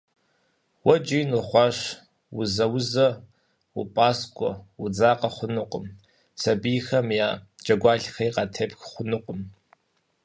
Уэ иджы ин ухъуащ, узаузэ, упӏаскӏуэ, удзакъэ хъунукъым, сабийхэм я джэгуалъэхэри къатепх хъунукъым.